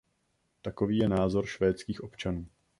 Takový je názor švédských občanů.